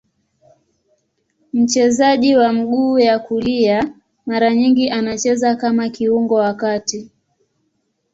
Mchezaji wa mguu ya kulia, mara nyingi anacheza kama kiungo wa kati.